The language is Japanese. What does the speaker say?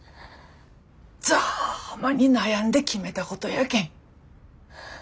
ざぁまに悩んで決めたことやけん。